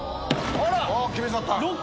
あら！